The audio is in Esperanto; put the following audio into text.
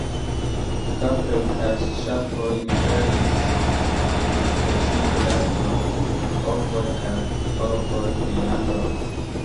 Kaproj kaj ŝafoj liveris precipe lakton, bovoj kaj porkoj viandon.